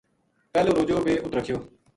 پہلو روجو بے اُت رکھیو۔